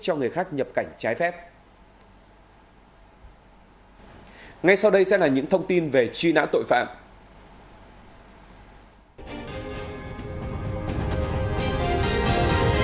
cho người khác nhập cảnh trái phép ngay sau đây sẽ là những thông tin về truy nãn tội phạm ừ ừ